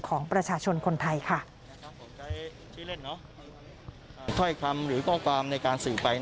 ของประชาชนคนไทยค่ะ